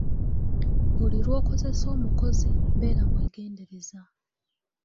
Buli lwokozesa omukozi beera mwegendereza.